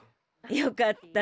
よかった。